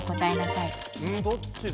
んどっちだ？